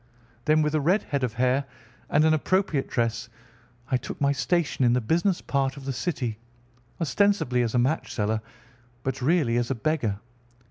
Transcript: Then with a red head of hair, and an appropriate dress, I took my station in the business part of the city, ostensibly as a match seller but really as a beggar.